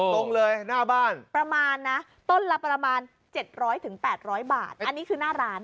ตรงเลยหน้าบ้านประมาณนะต้นละประมาณ๗๐๐๘๐๐บาทอันนี้คือหน้าร้าน